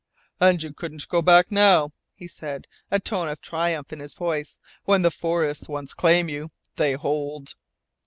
"And you couldn't go back now," he said, a tone of triumph in his voice. "When the forests once claim you they hold."